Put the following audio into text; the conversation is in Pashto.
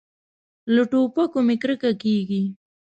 له ټوپکو مې کرکه کېږي.